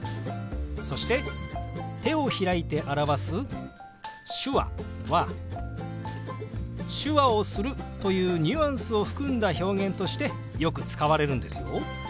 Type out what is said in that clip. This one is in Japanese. そして手を開いて表す「手話」は「手話をする」というニュアンスを含んだ表現としてよく使われるんですよ。